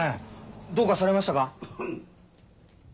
どうかされましたか？